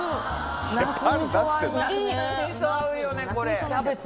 みそ合うよねこれ。